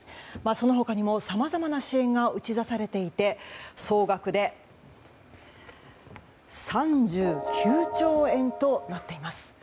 その他にもさまざまな支援が打ち出されていて総額で３９兆円となっています。